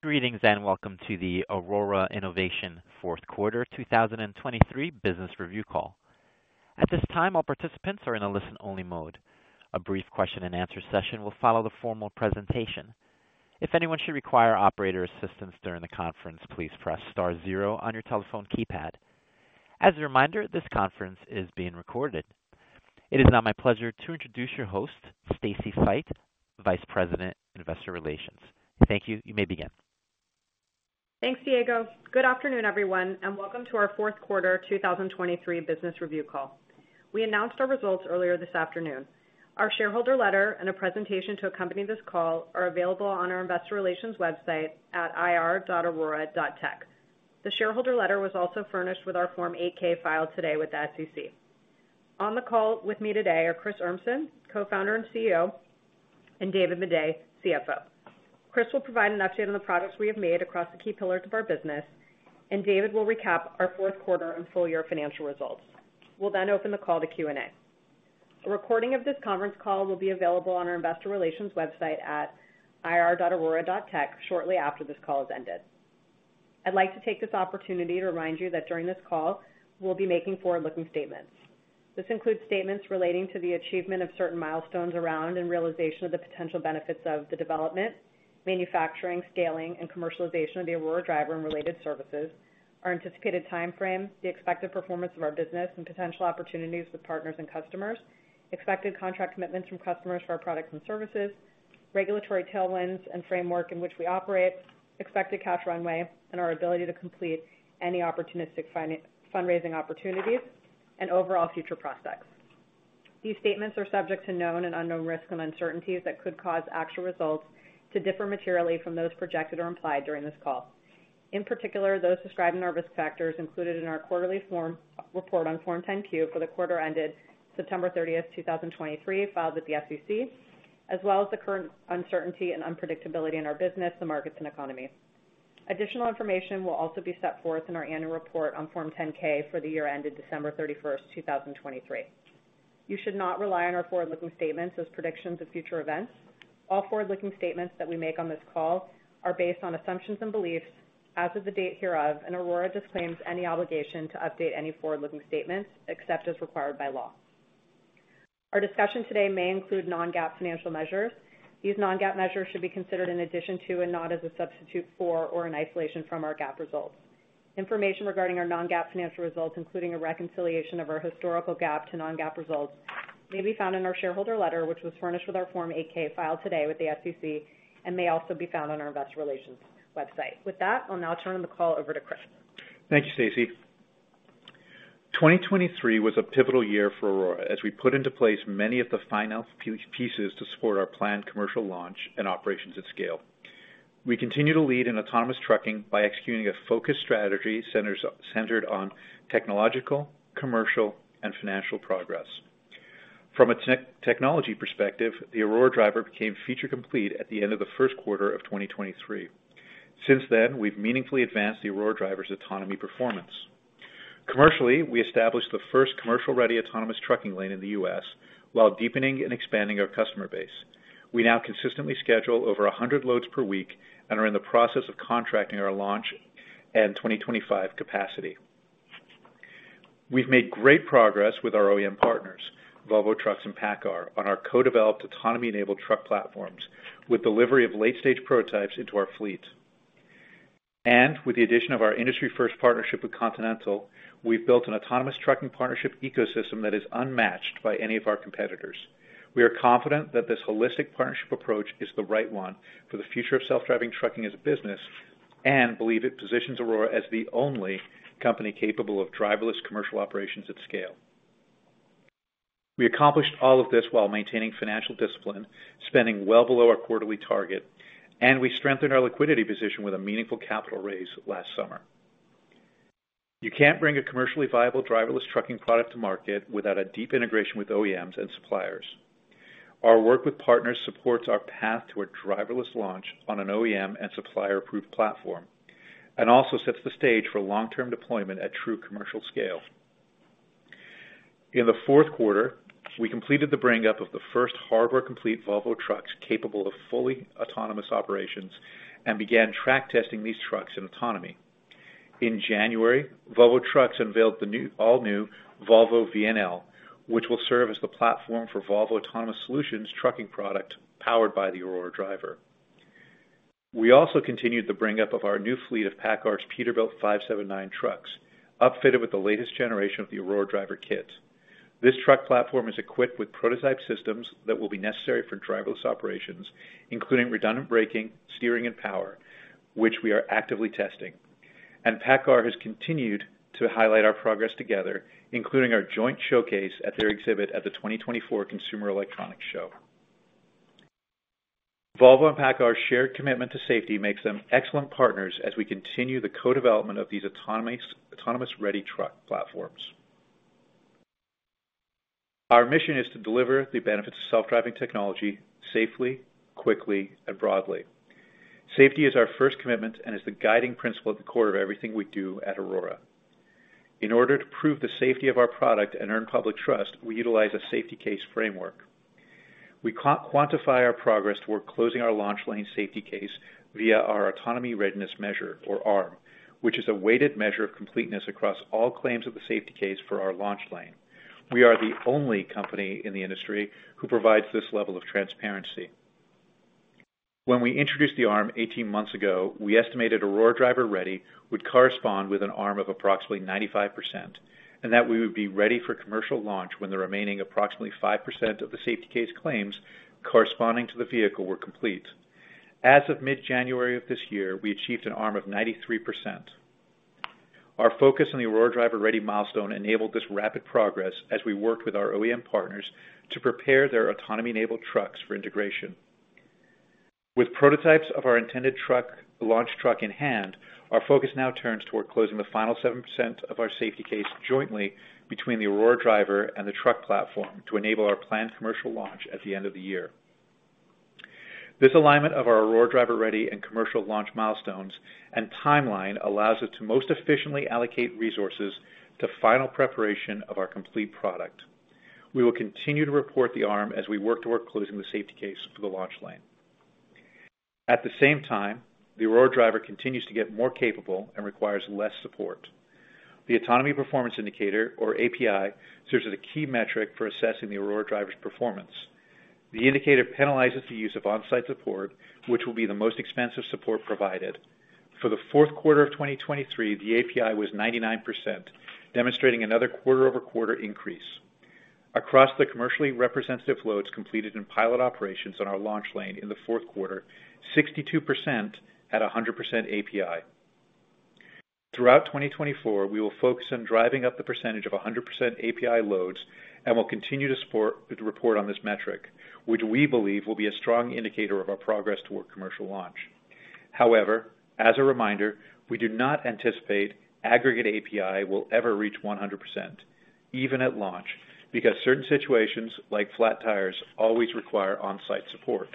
Greetings and welcome to the Aurora Innovation fourth quarter 2023 business review call. At this time, all participants are in a listen-only mode. A brief question-and-answer session will follow the formal presentation. If anyone should require operator assistance during the conference, please press star zero on your telephone keypad. As a reminder, this conference is being recorded. It is now my pleasure to introduce your host, Stacy Feit, Vice President, Investor Relations. Thank you. You may begin. Thanks, Diego. Good afternoon, everyone, and welcome to our fourth quarter 2023 business review call. We announced our results earlier this afternoon. Our shareholder letter and a presentation to accompany this call are available on our Investor Relations website at ir.aurora.tech. The shareholder letter was also furnished with our Form 8-K filed today with the SEC. On the call with me today are Chris Urmson, Co-Founder and CEO, and David Maday, CFO. Chris will provide an update on the products we have made across the key pillars of our business, and David will recap our fourth quarter and full-year financial results. We'll then open the call to Q&A. A recording of this conference call will be available on our Investor Relations website at ir.aurora.tech shortly after this call has ended. I'd like to take this opportunity to remind you that during this call, we'll be making forward-looking statements. This includes statements relating to the achievement of certain milestones around and realization of the potential benefits of the development, manufacturing, scaling, and commercialization of the Aurora Driver and related services, our anticipated timeframe, the expected performance of our business and potential opportunities with partners and customers, expected contract commitments from customers for our products and services, regulatory tailwinds and framework in which we operate, expected cash runway and our ability to complete any opportunistic fundraising opportunities, and overall future prospects. These statements are subject to known and unknown risks and uncertainties that could cause actual results to differ materially from those projected or implied during this call. In particular, those described in our risk factors included in our quarterly report on Form 10-Q for the quarter ended September 30, 2023, filed with the SEC, as well as the current uncertainty and unpredictability in our business, the markets, and economy. Additional information will also be set forth in our annual report on Form 10-K for the year ended December 31, 2023. You should not rely on our forward-looking statements as predictions of future events. All forward-looking statements that we make on this call are based on assumptions and beliefs as of the date hereof, and Aurora disclaims any obligation to update any forward-looking statements except as required by law. Our discussion today may include non-GAAP financial measures. These non-GAAP measures should be considered in addition to and not as a substitute for or in isolation from our GAAP results. Information regarding our non-GAAP financial results, including a reconciliation of our historical GAAP to non-GAAP results, may be found in our shareholder letter, which was furnished with our Form 8-K filed today with the SEC and may also be found on our Investor Relations website. With that, I'll now turn the call over to Chris. Thank you, Stacy. 2023 was a pivotal year for Aurora as we put into place many of the finance pieces to support our planned commercial launch and operations at scale. We continue to lead in autonomous trucking by executing a focused strategy centered on technological, commercial, and financial progress. From a technology perspective, the Aurora Driver became Feature Complete at the end of the first quarter of 2023. Since then, we've meaningfully advanced the Aurora Driver's autonomy performance. Commercially, we established the first commercial-ready autonomous trucking lane in the U.S. while deepening and expanding our customer base. We now consistently schedule over 100 loads per week and are in the process of contracting our launch and 2025 capacity. We've made great progress with our OEM partners, Volvo Trucks and PACCAR, on our co-developed autonomy-enabled truck platforms with delivery of late-stage prototypes into our fleet. With the addition of our industry-first partnership with Continental, we've built an autonomous trucking partnership ecosystem that is unmatched by any of our competitors. We are confident that this holistic partnership approach is the right one for the future of self-driving trucking as a business and believe it positions Aurora as the only company capable of driverless commercial operations at scale. We accomplished all of this while maintaining financial discipline, spending well below our quarterly target, and we strengthened our liquidity position with a meaningful capital raise last summer. You can't bring a commercially viable driverless trucking product to market without a deep integration with OEMs and suppliers. Our work with partners supports our path to a driverless launch on an OEM and supplier-approved platform and also sets the stage for long-term deployment at true commercial scale. In the fourth quarter, we completed the bring-up of the first feature complete Volvo Trucks capable of fully autonomous operations and began track testing these trucks in autonomy. In January, Volvo Trucks unveiled the all-new Volvo VNL, which will serve as the platform for Volvo Autonomous Solutions trucking product powered by the Aurora Driver. We also continued the bring-up of our new fleet of PACCAR's Peterbilt 579 trucks, upfitted with the latest generation of the Aurora Driver kit. This truck platform is equipped with prototype systems that will be necessary for driverless operations, including redundant braking, steering, and power, which we are actively testing. And PACCAR has continued to highlight our progress together, including our joint showcase at their exhibit at the 2024 Consumer Electronics Show. Volvo and PACCAR's shared commitment to safety makes them excellent partners as we continue the co-development of these autonomous-ready truck platforms. Our mission is to deliver the benefits of self-driving technology safely, quickly, and broadly. Safety is our first commitment and is the guiding principle at the core of everything we do at Aurora. In order to prove the safety of our product and earn public trust, we utilize a Safety Case framework. We quantify our progress toward closing our launch lane Safety Case via our Autonomy Readiness Measure, or ARM, which is a weighted measure of completeness across all claims of the Safety Case for our launch lane. We are the only company in the industry who provides this level of transparency. When we introduced the ARM 18 months ago, we estimated Aurora Driver Ready would correspond with an ARM of approximately 95% and that we would be ready for commercial launch when the remaining approximately 5% of the Safety Case claims corresponding to the vehicle were complete. As of mid-January of this year, we achieved an ARM of 93%. Our focus on the Aurora Driver Ready milestone enabled this rapid progress as we worked with our OEM partners to prepare their autonomy-enabled trucks for integration. With prototypes of our intended launch truck in hand, our focus now turns toward closing the final 7% of our Safety Case jointly between the Aurora Driver and the truck platform to enable our planned commercial launch at the end of the year. This alignment of our Aurora Driver Ready and commercial launch milestones and timeline allows us to most efficiently allocate resources to final preparation of our complete product. We will continue to report the ARM as we work toward closing the Safety Case for the launch lane. At the same time, the Aurora Driver continues to get more capable and requires less support. The Autonomy Performance Indicator, or API, serves as a key metric for assessing the Aurora Driver's performance. The indicator penalizes the use of on-site support, which will be the most expensive support provided. For the fourth quarter of 2023, the API was 99%, demonstrating another quarter-over-quarter increase. Across the commercially representative loads completed in pilot operations on our launch lane in the fourth quarter, 62% had 100% API. Throughout 2024, we will focus on driving up the percentage of 100% API loads and will continue to report on this metric, which we believe will be a strong indicator of our progress toward commercial launch. However, as a reminder, we do not anticipate aggregate API will ever reach 100%, even at launch, because certain situations like flat tires always require on-site support.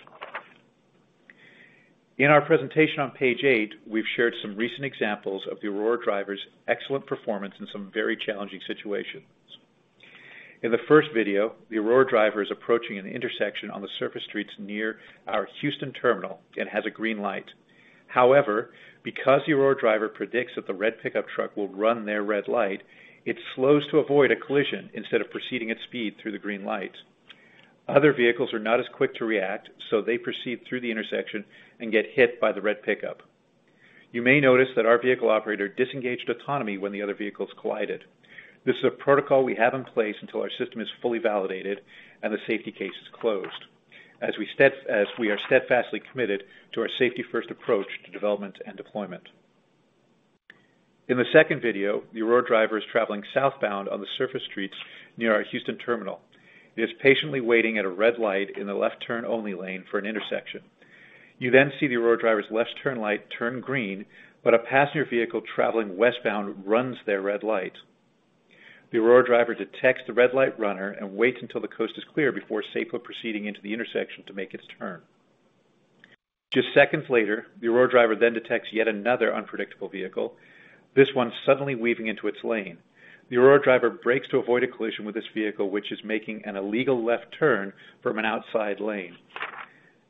In our presentation on page 8, we've shared some recent examples of the Aurora Driver's excellent performance in some very challenging situations. In the first video, the Aurora Driver is approaching an intersection on the surface streets near our Houston terminal and has a green light. However, because the Aurora Driver predicts that the red pickup truck will run their red light, it slows to avoid a collision instead of proceeding at speed through the green light. Other vehicles are not as quick to react, so they proceed through the intersection and get hit by the red pickup. You may notice that our vehicle operator disengaged autonomy when the other vehicles collided. This is a protocol we have in place until our system is fully validated and the safety case is closed, as we are steadfastly committed to our safety-first approach to development and deployment. In the second video, the Aurora Driver is traveling southbound on the surface streets near our Houston terminal. It is patiently waiting at a red light in the left-turn-only lane for an intersection. You then see the Aurora Driver's left-turn light turn green, but a passenger vehicle traveling westbound runs their red light. The Aurora Driver detects the red light runner and waits until the coast is clear before safely proceeding into the intersection to make its turn. Just seconds later, the Aurora Driver then detects yet another unpredictable vehicle, this one suddenly weaving into its lane. The Aurora Driver brakes to avoid a collision with this vehicle, which is making an illegal left turn from an outside lane.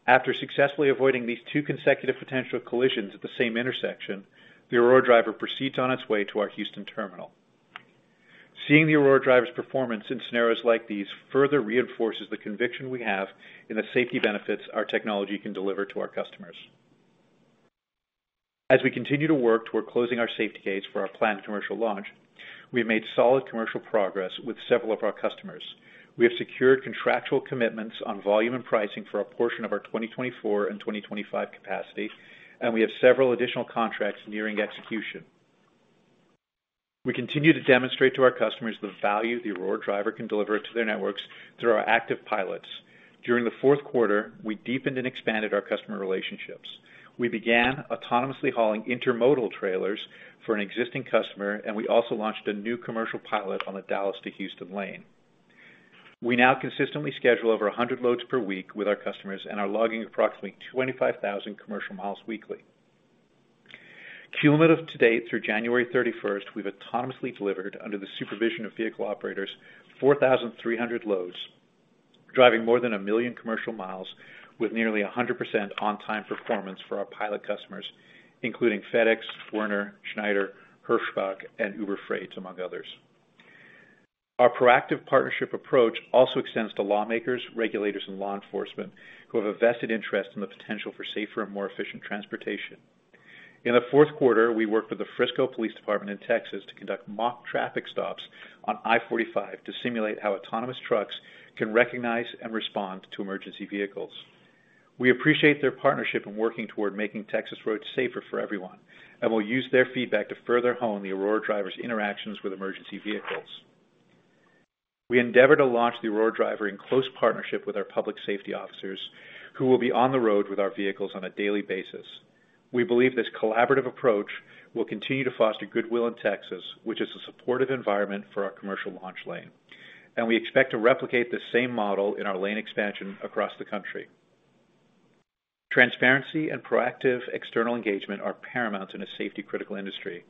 After successfully avoiding these two consecutive potential collisions at the same intersection, the Aurora Driver proceeds on its way to our Houston terminal. Seeing the Aurora Driver's performance in scenarios like these further reinforces the conviction we have in the safety benefits our technology can deliver to our customers. As we continue to work toward closing our Safety Case for our planned commercial launch, we've made solid commercial progress with several of our customers. We have secured contractual commitments on volume and pricing for a portion of our 2024 and 2025 capacity, and we have several additional contracts nearing execution. We continue to demonstrate to our customers the value the Aurora Driver can deliver to their networks through our active pilots. During the fourth quarter, we deepened and expanded our customer relationships. We began autonomously hauling intermodal trailers for an existing customer, and we also launched a new commercial pilot on the Dallas to Houston lane. We now consistently schedule over 100 loads per week with our customers and are logging approximately 25,000 commercial miles weekly. Cumulative to date through January 31st, we've autonomously delivered, under the supervision of vehicle operators, 4,300 loads, driving more than 1 million commercial miles with nearly 100% on-time performance for our pilot customers, including FedEx, Werner, Schneider, Hirschbach, and Uber Freight, among others. Our proactive partnership approach also extends to lawmakers, regulators, and law enforcement who have a vested interest in the potential for safer and more efficient transportation. In the fourth quarter, we worked with the Frisco Police Department in Texas to conduct mock traffic stops on I-45 to simulate how autonomous trucks can recognize and respond to emergency vehicles. We appreciate their partnership in working toward making Texas roads safer for everyone and will use their feedback to further hone the Aurora Driver's interactions with emergency vehicles. We endeavored to launch the Aurora Driver in close partnership with our public safety officers, who will be on the road with our vehicles on a daily basis. We believe this collaborative approach will continue to foster goodwill in Texas, which is a supportive environment for our commercial launch lane, and we expect to replicate this same model in our lane expansion across the country. Transparency and proactive external engagement are paramount in a safety-critical industry.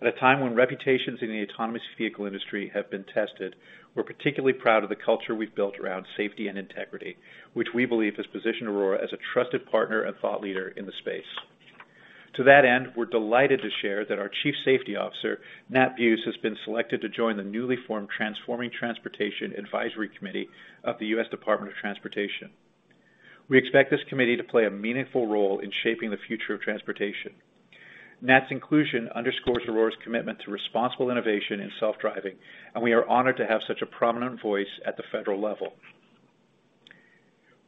At a time when reputations in the autonomous vehicle industry have been tested, we're particularly proud of the culture we've built around safety and integrity, which we believe has positioned Aurora as a trusted partner and thought leader in the space. To that end, we're delighted to share that our Chief Safety Officer, Nat Beuse, has been selected to join the newly formed Transforming Transportation Advisory Committee of the U.S. Department of Transportation. We expect this committee to play a meaningful role in shaping the future of transportation. Nat's inclusion underscores Aurora's commitment to responsible innovation in self-driving, and we are honored to have such a prominent voice at the federal level.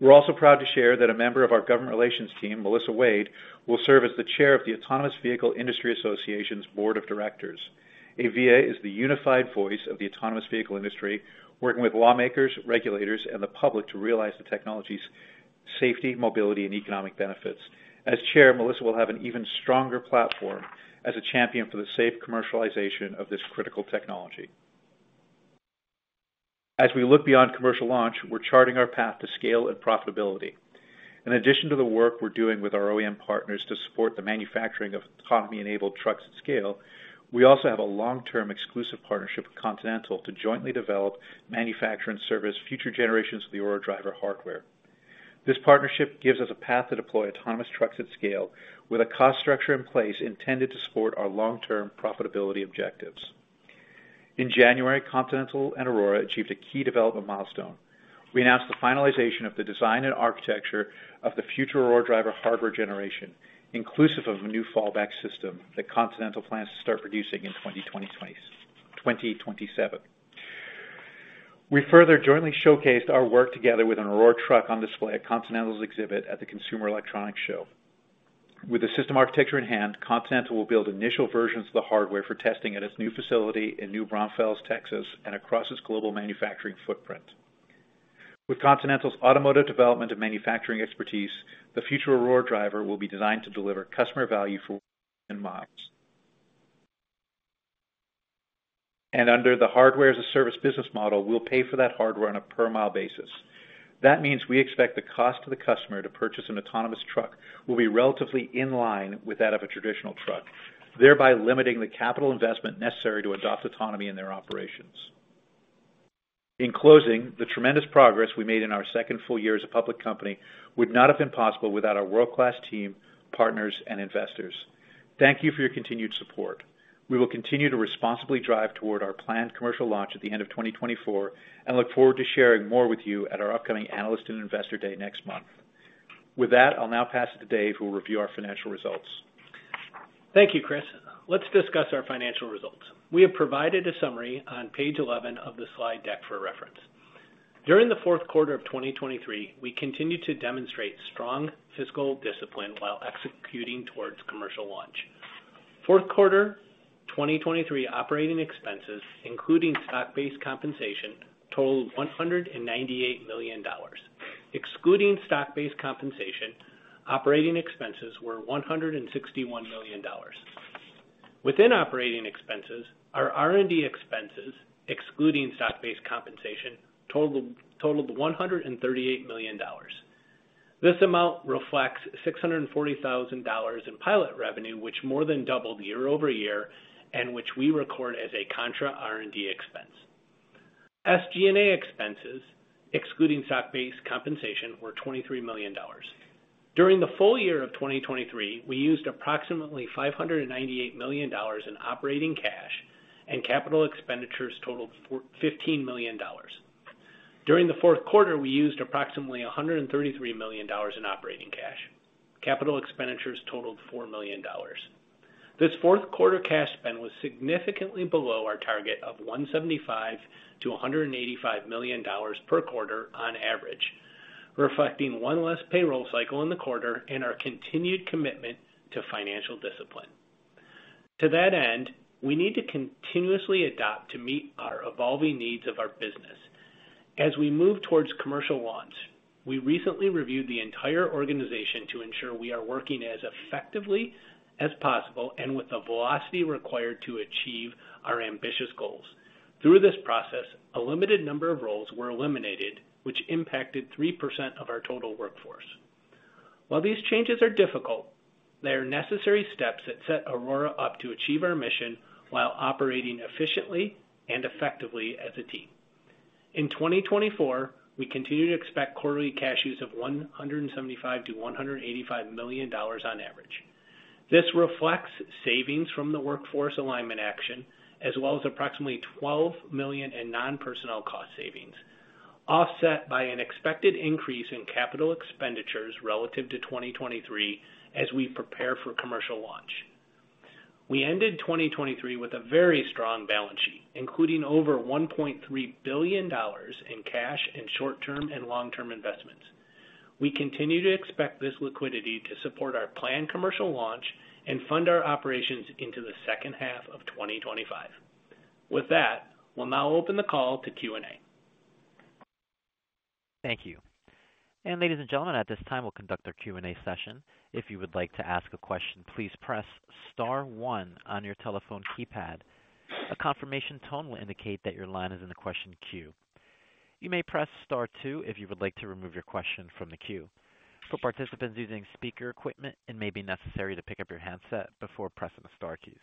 We're also proud to share that a member of our government relations team, Melissa Wade, will serve as the chair of the Autonomous Vehicle Industry Association's board of directors. AVIA is the unified voice of the autonomous vehicle industry, working with lawmakers, regulators, and the public to realize the technology's safety, mobility, and economic benefits. As chair, Melissa will have an even stronger platform as a champion for the safe commercialization of this critical technology. As we look beyond commercial launch, we're charting our path to scale and profitability. In addition to the work we're doing with our OEM partners to support the manufacturing of autonomy-enabled trucks at scale, we also have a long-term exclusive partnership with Continental to jointly develop, manufacture, and service future generations of the Aurora Driver hardware. This partnership gives us a path to deploy autonomous trucks at scale with a cost structure in place intended to support our long-term profitability objectives. In January, Continental and Aurora achieved a key development milestone. We announced the finalization of the design and architecture of the future Aurora Driver hardware generation, inclusive of a new fallback system that Continental plans to start producing in 2027. We further jointly showcased our work together with an Aurora truck on display at Continental's exhibit at the Consumer Electronics Show. With the system architecture in hand, Continental will build initial versions of the hardware for testing at its new facility in New Braunfels, Texas, and across its global manufacturing footprint. With Continental's automotive development and manufacturing expertise, the future Aurora Driver will be designed to deliver customer value for miles. Under the Hardware-as-a-Service business model, we'll pay for that hardware on a per-mile basis. That means we expect the cost to the customer to purchase an autonomous truck will be relatively in line with that of a traditional truck, thereby limiting the capital investment necessary to adopt autonomy in their operations. In closing, the tremendous progress we made in our second full year as a public company would not have been possible without our world-class team, partners, and investors. Thank you for your continued support. We will continue to responsibly drive toward our planned commercial launch at the end of 2024 and look forward to sharing more with you at our upcoming Analyst and Investor Day next month. With that, I'll now pass it to Dave, who will review our financial results. Thank you, Chris. Let's discuss our financial results. We have provided a summary on page 11 of the slide deck for reference. During the fourth quarter of 2023, we continued to demonstrate strong fiscal discipline while executing towards commercial launch. Fourth quarter 2023 operating expenses, including stock-based compensation, totaled $198 million. Excluding stock-based compensation, operating expenses were $161 million. Within operating expenses, our R&D expenses, excluding stock-based compensation, totaled $138 million. This amount reflects $640,000 in pilot revenue, which more than doubled year-over-year and which we record as a contra-R&D expense. SG&A expenses, excluding stock-based compensation, were $23 million. During the full year of 2023, we used approximately $598 million in operating cash, and capital expenditures totaled $15 million. During the fourth quarter, we used approximately $133 million in operating cash. Capital expenditures totaled $4 million. This fourth quarter cash spend was significantly below our target of $175-$185 million per quarter on average, reflecting one less payroll cycle in the quarter and our continued commitment to financial discipline. To that end, we need to continuously adapt to meet our evolving needs of our business. As we move towards commercial launch, we recently reviewed the entire organization to ensure we are working as effectively as possible and with the velocity required to achieve our ambitious goals. Through this process, a limited number of roles were eliminated, which impacted 3% of our total workforce. While these changes are difficult, they are necessary steps that set Aurora up to achieve our mission while operating efficiently and effectively as a team. In 2024, we continue to expect quarterly cash use of $175-$185 million on average. This reflects savings from the Workforce Alignment Action as well as approximately $12 million in non-personnel cost savings, offset by an expected increase in capital expenditures relative to 2023 as we prepare for commercial launch. We ended 2023 with a very strong balance sheet, including over $1.3 billion in cash in short-term and long-term investments. We continue to expect this liquidity to support our planned commercial launch and fund our operations into the second half of 2025. With that, we'll now open the call to Q&A. Thank you. And ladies and gentlemen, at this time, we'll conduct our Q&A session. If you would like to ask a question, please press star 1 on your telephone keypad. A confirmation tone will indicate that your line is in the question queue. You may press star 2 if you would like to remove your question from the queue. For participants using speaker equipment, it may be necessary to pick up your handset before pressing the star keys.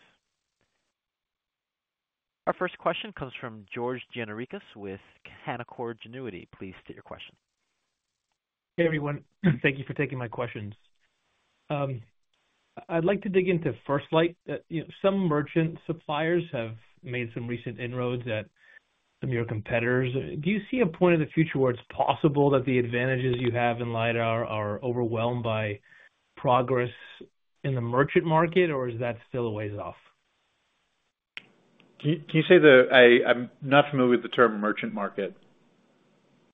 Our first question comes from George Gianarikas with Canaccord Genuity. Please state your question. Hey, everyone. Thank you for taking my questions. I'd like to dig into FirstLight. Some merchant suppliers have made some recent inroads at some of your competitors. Do you see a point in the future where it's possible that the advantages you have in lidar are overwhelmed by progress in the merchant market, or is that still a ways off? Can you say that I'm not familiar with the term merchant market.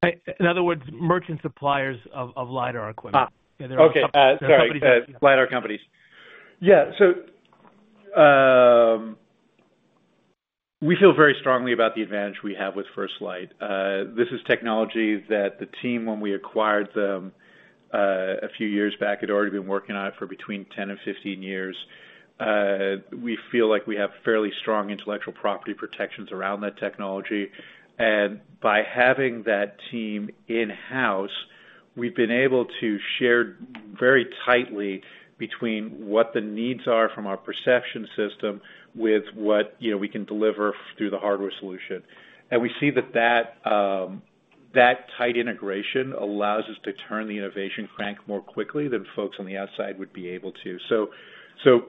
In other words, merchant suppliers of lidar equipment. Yeah, there are some lidar companies. Yeah. So we feel very strongly about the advantage we have with FirstLight. This is technology that the team, when we acquired them a few years back, had already been working on it for between 10 and 15 years. We feel like we have fairly strong intellectual property protections around that technology. And by having that team in-house, we've been able to share very tightly between what the needs are from our perception system with what we can deliver through the hardware solution. And we see that that tight integration allows us to turn the innovation crank more quickly than folks on the outside would be able to. So,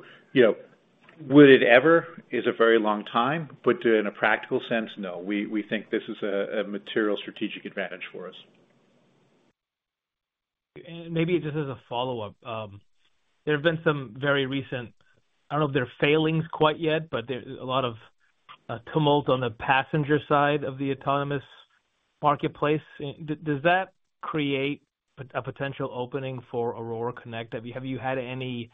would it ever be? It's a very long time, but in a practical sense, no. We think this is a material strategic advantage for us. And maybe just as a follow-up, there have been some very recent, I don't know if they're failings quite yet, but a lot of tumult on the passenger side of the autonomous marketplace. Does that create a potential opening for Aurora Connect? Have you had any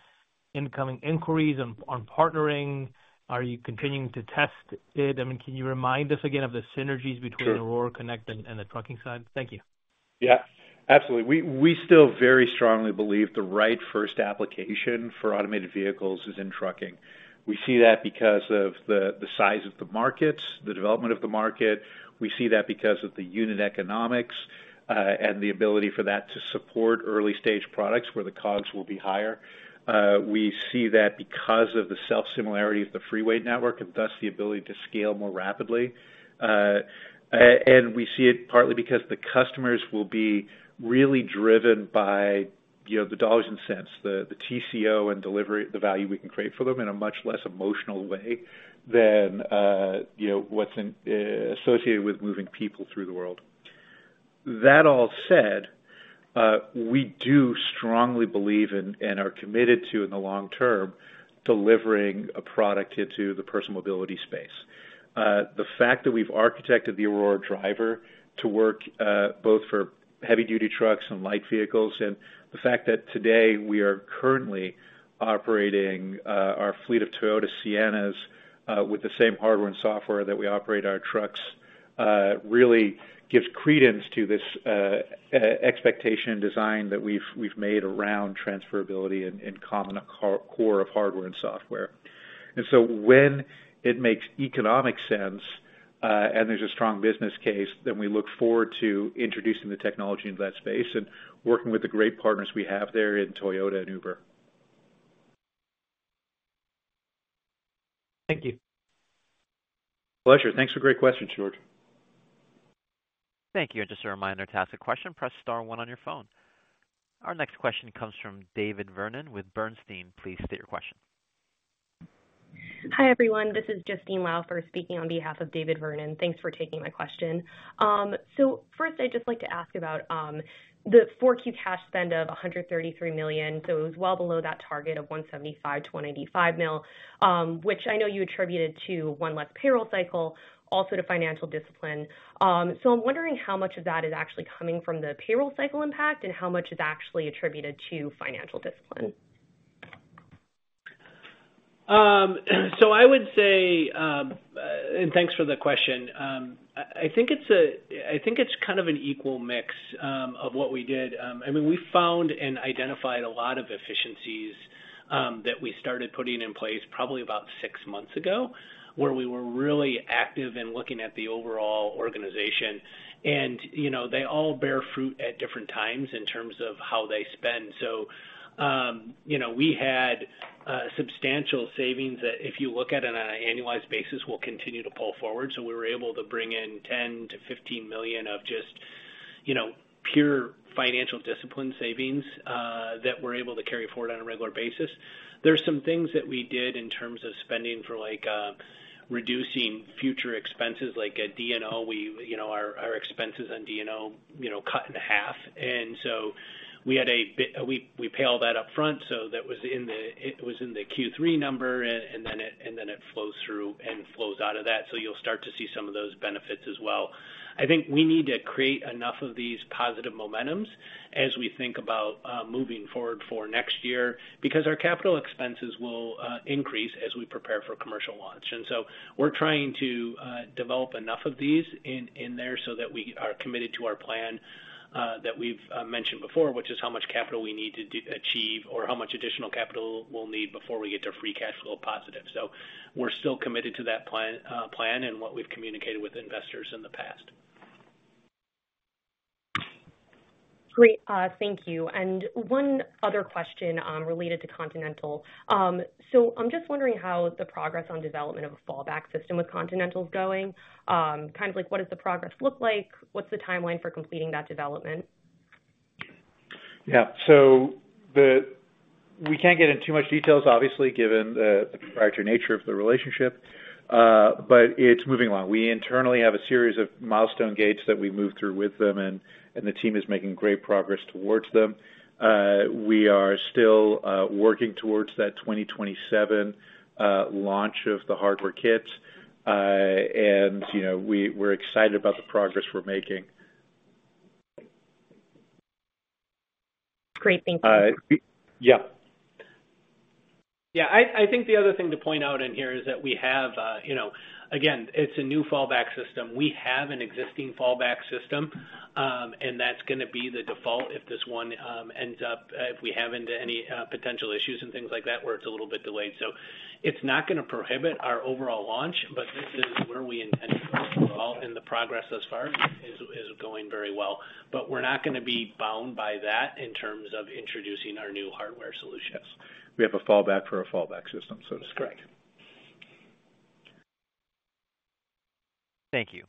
incoming inquiries on partnering? Are you continuing to test it? I mean, can you remind us again of the synergies between Aurora Connect and the trucking side? Thank you. Yeah. Absolutely. We still very strongly believe the right first application for automated vehicles is in trucking. We see that because of the size of the market, the development of the market. We see that because of the unit economics and the ability for that to support early-stage products where the COGS will be higher. We see that because of the self-similarity of the freeway network and thus the ability to scale more rapidly. And we see it partly because the customers will be really driven by the dollars and cents, the TCO and delivery, the value we can create for them in a much less emotional way than what's associated with moving people through the world. That all said, we do strongly believe and are committed to, in the long term, delivering a product into the personal mobility space. The fact that we've architected the Aurora Driver to work both for heavy-duty trucks and light vehicles, and the fact that today we are currently operating our fleet of Toyota Siennas with the same hardware and software that we operate our trucks, really gives credence to this expectation design that we've made around transferability and common core of hardware and software. And so when it makes economic sense and there's a strong business case, then we look forward to introducing the technology into that space and working with the great partners we have there in Toyota and Uber. Thank you. Pleasure. Thanks for the great question, George. Thank you. And just a reminder, to ask a question, press star 1 on your phone. Our next question comes from David Vernon with Bernstein. Please state your question. Hi, everyone. This is Justine Laufer speaking on behalf of David Vernon. Thanks for taking my question. So first, I'd just like to ask about the 4Q cash spend of $133 million. So it was well below that target of $175 million-$185 million, which I know you attributed to one less payroll cycle, also to financial discipline. So I'm wondering how much of that is actually coming from the payroll cycle impact and how much is actually attributed to financial discipline. So I would say and thanks for the question. I think it's kind of an equal mix of what we did. I mean, we found and identified a lot of efficiencies that we started putting in place probably about six months ago where we were really active in looking at the overall organization. And they all bear fruit at different times in terms of how they spend. So we had substantial savings that, if you look at it on an annualized basis, will continue to pull forward. So we were able to bring in $10 million-$15 million of just pure financial discipline savings that we're able to carry forward on a regular basis. There are some things that we did in terms of spending for reducing future expenses like D&O. Our expenses on D&O cut in half. And so we had. We pay all that upfront. So that was in it. It was in the Q3 number, and then it flows through and flows out of that. So you'll start to see some of those benefits as well. I think we need to create enough of these positive momentums as we think about moving forward for next year because our capital expenses will increase as we prepare for commercial launch. And so we're trying to develop enough of these in there so that we are committed to our plan that we've mentioned before, which is how much capital we need to achieve or how much additional capital we'll need before we get to free cash flow positive. So we're still committed to that plan and what we've communicated with investors in the past. Great. Thank you. And one other question related to Continental. So I'm just wondering how the progress on development of a fallback system with Continental is going. Kind of what does the progress look like? What's the timeline for completing that development? Yeah. So we can't get into too much details, obviously, given the proprietary nature of the relationship. But it's moving along. We internally have a series of milestone gates that we move through with them, and the team is making great progress towards them. We are still working towards that 2027 launch of the hardware kits. We're excited about the progress we're making. Great. Thank you. Yeah. Yeah. I think the other thing to point out in here is that we have. Again, it's a new fallback system. We have an existing fallback system, and that's going to be the default if this one ends up, if we have any potential issues and things like that where it's a little bit delayed. It's not going to prohibit our overall launch, but this is where we intend to go overall, and the progress thus far is going very well. We're not going to be bound by that in terms of introducing our new hardware solution. Yes. We have a fallback for a fallback system, so to speak. Correct. Thank you.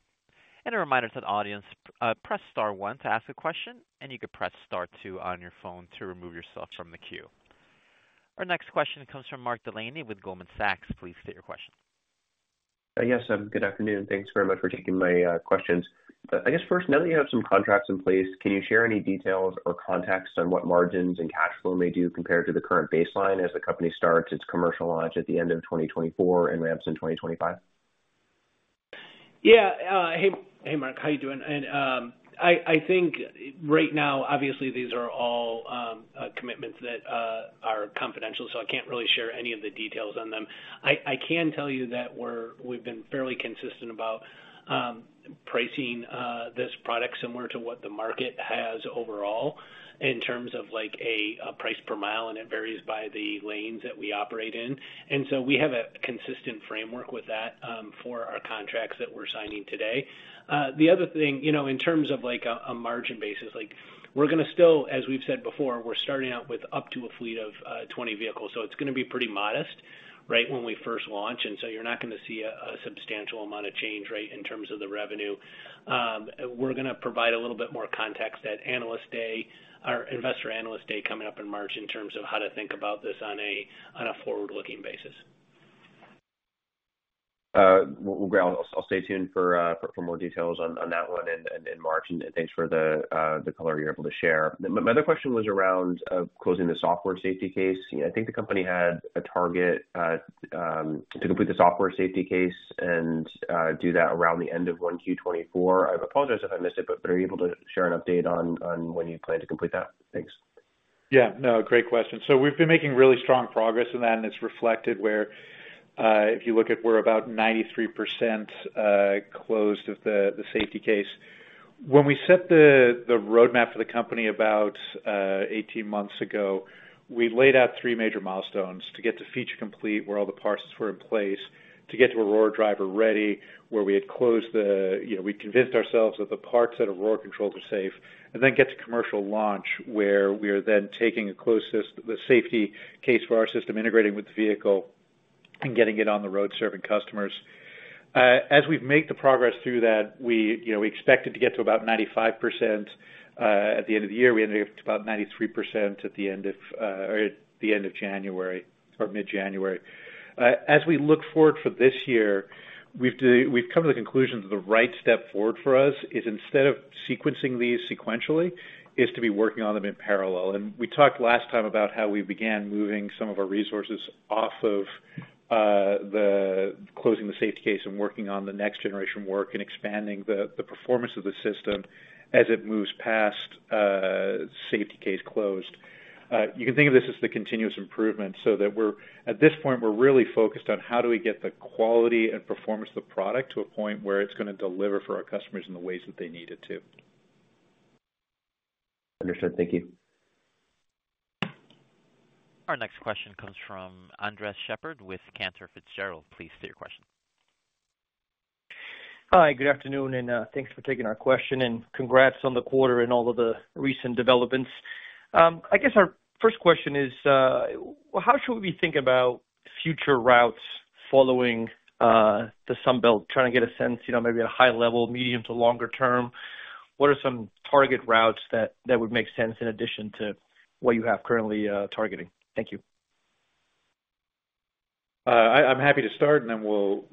A reminder to the audience, press star 1 to ask a question, and you could press star 2 on your phone to remove yourself from the queue. Our next question comes from Mark Delaney with Goldman Sachs. Please state your question. Yes. Good afternoon. Thanks very much for taking my questions. I guess first, now that you have some contracts in place, can you share any details or context on what margins and cash flow may do compared to the current baseline as the company starts its commercial launch at the end of 2024 and ramps in 2025? Yeah. Hey, Mark. How are you doing? I think right now, obviously, these are all commitments that are confidential, so I can't really share any of the details on them. I can tell you that we've been fairly consistent about pricing this product similar to what the market has overall in terms of a price per mile, and it varies by the lanes that we operate in. And so we have a consistent framework with that for our contracts that we're signing today. The other thing, in terms of a margin basis, we're going to still as we've said before, we're starting out with up to a fleet of 20 vehicles. So it's going to be pretty modest, right, when we first launch. And so you're not going to see a substantial amount of change, right, in terms of the revenue. We're going to provide a little bit more context at Investor Analyst Day coming up in March in terms of how to think about this on a forward-looking basis. Great. I'll stay tuned for more details on that one in March. Thanks for the color you're able to share. My other question was around closing the software Safety Case. I think the company had a target to complete the software Safety Case and do that around the end of 1Q2024. I apologize if I missed it, but are you able to share an update on when you plan to complete that? Thanks. Yeah. No, great question. So we've been making really strong progress in that, and it's reflected where, if you look at, we're about 93% closed of the Safety Case. When we set the roadmap for the company about 18 months ago, we laid out 3 major milestones to get to feature complete where all the parts were in place, to get to Aurora Driver Ready where we convinced ourselves that the parts at Aurora controls were safe, and then get to commercial launch where we are then taking the safety case for our system, integrating with the vehicle, and getting it on the road serving customers. As we've made the progress through that, we expected to get to about 95% at the end of the year. We ended up at about 93% at the end of January or mid-January. As we look forward for this year, we've come to the conclusion that the right step forward for us is instead of sequencing these sequentially, is to be working on them in parallel. We talked last time about how we began moving some of our resources off of closing the Safety Case and working on the next generation work and expanding the performance of the system as it moves past Safety Case closed. You can think of this as the continuous improvement so that at this point, we're really focused on how do we get the quality and performance of the product to a point where it's going to deliver for our customers in the ways that they need it to. Understood. Thank you. Our next question comes from Andres Sheppard with Cantor Fitzgerald. Please state your question. Hi. Good afternoon. Thanks for taking our question. Congrats on the quarter and all of the recent developments. I guess our first question is, how should we be thinking about future routes following the Sun Belt? Trying to get a sense, maybe at a high level, medium to longer term, what are some target routes that would make sense in addition to what you have currently targeting? Thank you. I'm happy to start, and then we'll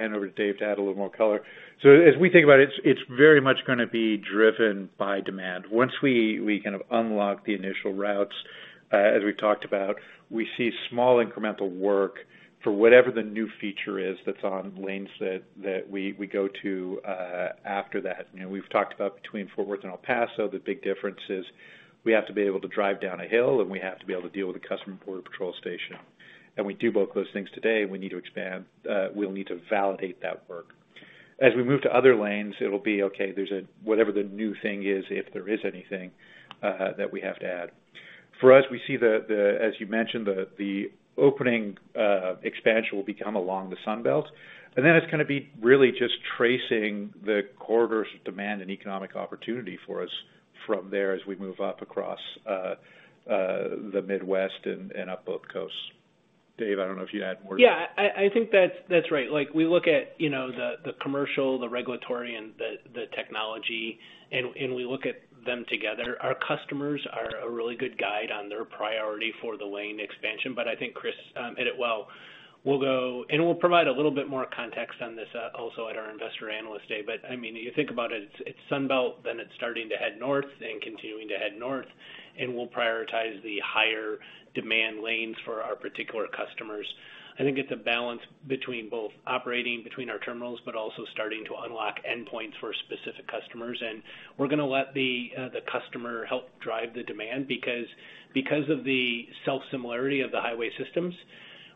hand over to Dave to add a little more color. As we think about it, it's very much going to be driven by demand. Once we kind of unlock the initial routes, as we've talked about, we see small incremental work for whatever the new feature is that's on lanes that we go to after that. We've talked about between Fort Worth and El Paso, the big difference is we have to be able to drive down a hill, and we have to be able to deal with a customs border patrol station. And we do both those things today, and we need to expand. We'll need to validate that work. As we move to other lanes, it'll be, "Okay. Whatever the new thing is, if there is anything that we have to add." For us, we see the, as you mentioned, the opening expansion will become along the Sun Belt. And then it's going to be really just tracing the corridors of demand and economic opportunity for us from there as we move up across the Midwest and up both coasts. Dave, I don't know if you had more to say. Yeah. I think that's right. We look at the commercial, the regulatory, and the technology, and we look at them together. Our customers are a really good guide on their priority for the lane expansion. I think Chris hit it well. We'll provide a little bit more context on this also at our investor analyst day. I mean, you think about it, it's Sun Belt, then it's starting to head north and continuing to head north. We'll prioritize the higher demand lanes for our particular customers. I think it's a balance between both operating between our terminals but also starting to unlock endpoints for specific customers. We're going to let the customer help drive the demand because of the self-similarity of the highway systems.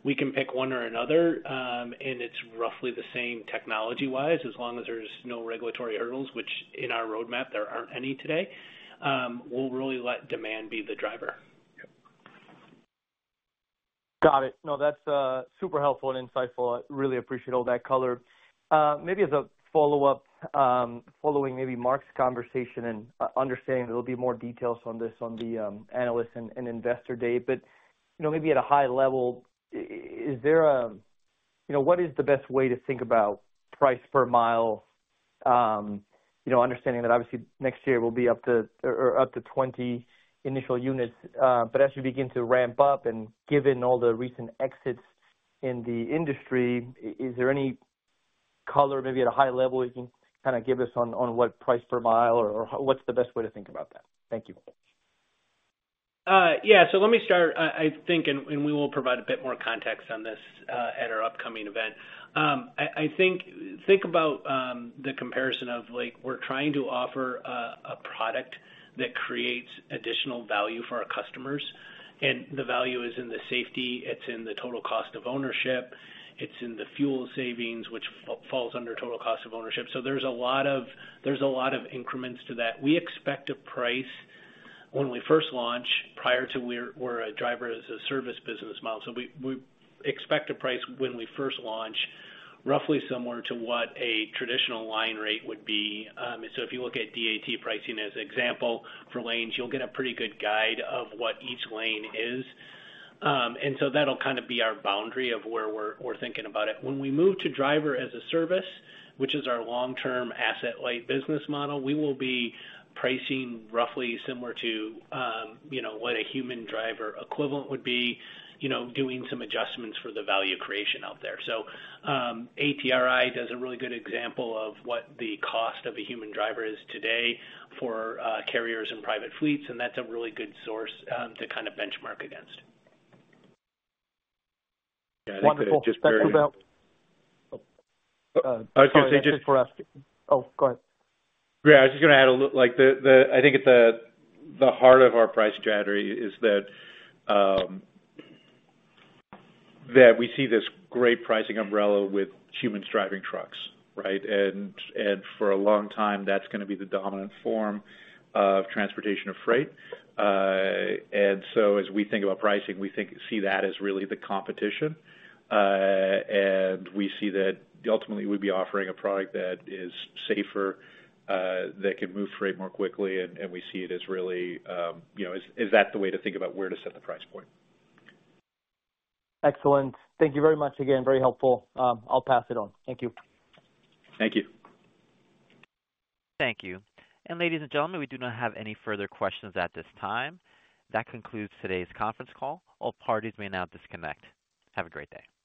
We can pick one or another, and it's roughly the same technology-wise as long as there's no regulatory hurdles, which in our roadmap, there aren't any today. We'll really let demand be the driver. Got it. No, that's super helpful and insightful. I really appreciate all that color. Maybe as a follow-up, following maybe Mark's conversation and understanding that there'll be more details on this on the analyst and investor day. But maybe at a high level, is there a what is the best way to think about price per mile, understanding that obviously, next year, it will be up to 20 initial units? But as you begin to ramp up and given all the recent exits in the industry, is there any color maybe at a high level you can kind of give us on what price per mile or what's the best way to think about that? Thank you. Yeah. So let me start, I think, and we will provide a bit more context on this at our upcoming event. I think about the comparison of we're trying to offer a product that creates additional value for our customers. And the value is in the safety. It's in the total cost of ownership. It's in the fuel savings, which falls under total cost of ownership. So there's a lot of increments to that. We expect a price when we first launch prior to we're a Driver-as-a-Service business model. So we expect a price when we first launch roughly somewhere to what a traditional line rate would be. So if you look at DAT pricing as an example for lanes, you'll get a pretty good guide of what each lane is. And so that'll kind of be our boundary of where we're thinking about it. When we move to Driver-as-a-Service, which is our long-term asset-light business model, we will be pricing roughly similar to what a human driver equivalent would be, doing some adjustments for the value creation out there. So ATRI does a really good example of what the cost of a human driver is today for carriers and private fleets. And that's a really good source to kind of benchmark against. Got it. Thank you. Go ahead. Yeah. I was just going to add a little. I think at the heart of our price strategy is that we see this great pricing umbrella with humans driving trucks, right? And for a long time, that's going to be the dominant form of transportation of freight. And so as we think about pricing, we see that as really the competition. We see that ultimately, we'd be offering a product that is safer, that can move freight more quickly. And we see it as really is that the way to think about where to set the price point? Excellent. Thank you very much again. Very helpful. I'll pass it on. Thank you. Thank you. Thank you. Ladies and gentlemen, we do not have any further questions at this time. That concludes today's conference call. All parties may now disconnect. Have a great day.